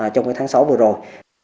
trong cái tháng sáu vừa rồi